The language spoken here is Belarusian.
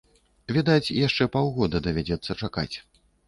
Відаць, яшчэ паўгода давядзецца чакаць.